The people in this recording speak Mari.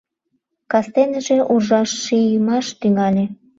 Кастеныже уржа шиймаш тӱҥале.